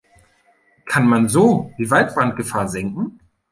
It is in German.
Kann man so die Waldbrandgefahr senken?